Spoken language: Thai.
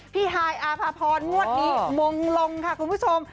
พี่หายอะผาพอร์งวดนี้มงลงค่ะคุณผู้ชม